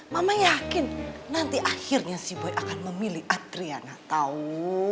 mama yakin nanti akhirnya si boy akan memilih atriana tahu